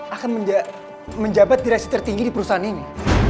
akan menjabat direksi tertinggi di perusahaan ini